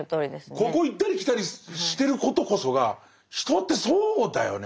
ここを行ったり来たりしてることこそが「人ってそうだよね」